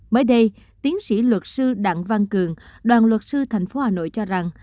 mới đây tiến sĩ luật sư đặng văn cường đoàn luật sư thành phố hà nội cho rằng